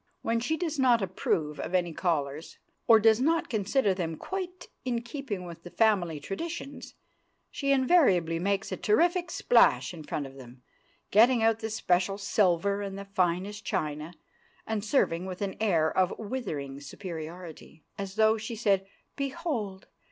When she does not approve of any callers, or does not consider them quite in keeping with the family traditions, she invariably makes a terrific splash in front of them, getting out the special silver and the finest china, and serving with an air of withering superiority, as though she said, "Behold!